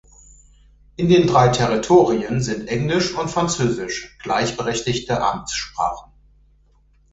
In den drei Territorien sind Englisch und Französisch gleichberechtigte Amtssprachen.